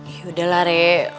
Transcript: eh yaudahlah rek